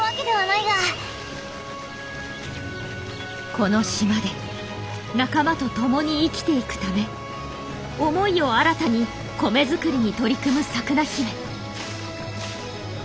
この島で仲間と共に生きていくため思いを新たに米作りに取り組むサクナヒメ。